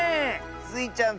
スイちゃん